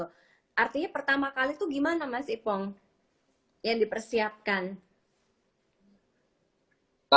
artinya pertama kali itu gimana mas ipong yang dipersiapkan